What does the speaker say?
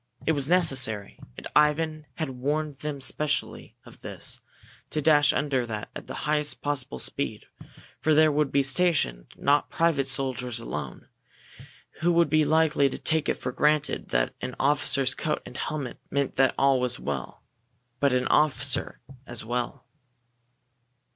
It was necessary, and Ivan had warned them specially of this, to dash under that at the highest possible speed for there would be stationed not private soldiers alone, who would be likely to take it for granted that an officer's coat and helmet meant that all was well, but an officer as well.